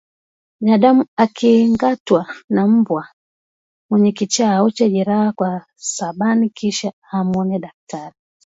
Binadamu akingatwa na mbwa mwenye kichaa aoshe jeraha kwa sabani kisha amuone daktari